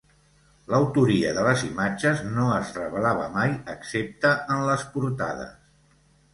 L'autoria de les imatges no es revelava mai excepte en les portades.